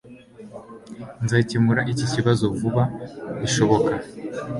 Nzakemura iki kibazo vuba bishoboka